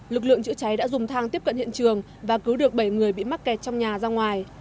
lực lượng chữa cháy đã dùng thang tiếp cận hiện trường và cứu được bảy người bị mắc kẹt trong nhà ra ngoài